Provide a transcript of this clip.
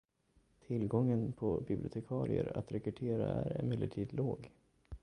Tillgången på bibliotekarier att rekrytera är emellertid låg.